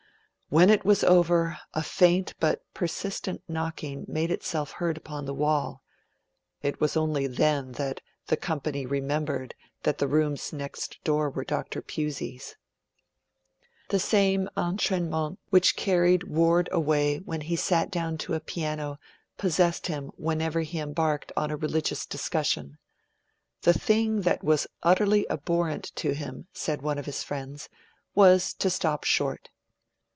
When it was over, a faint but persistent knocking made itself heard upon the wall; and it was only then that the company remembered that the rooms next door were Dr. Pusey's. The same entrainment which carried Ward away when he sat down to a piano possessed him whenever he embarked on a religious discussion. 'The thing that was utterly abhorrent to him,' said one of his friends, 'was to stop short.'